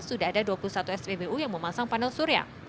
sudah ada dua puluh satu spbu yang memasang panel surya